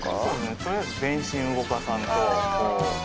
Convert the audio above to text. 「とりあえず全身を動かさんとこう」